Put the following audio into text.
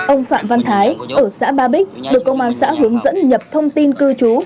ông phạm văn thái ở xã ba bích được công an xã hướng dẫn nhập thông tin cư trú